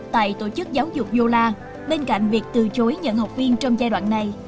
tại tổ chức giáo dục yola bên cạnh việc từ chối nhận học viên trong giai đoạn này